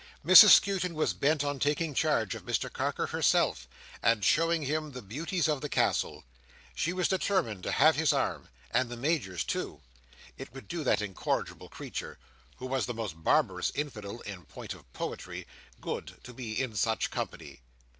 Mrs Skewton was bent on taking charge of Mr Carker herself, and showing him the beauties of the Castle. She was determined to have his arm, and the Major's too. It would do that incorrigible creature: who was the most barbarous infidel in point of poetry: good to be in such company.